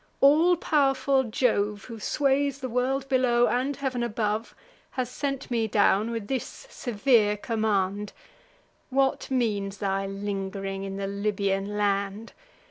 All pow'rful Jove, Who sways the world below and heav'n above, Has sent me down with this severe command: What means thy ling'ring in the Libyan land?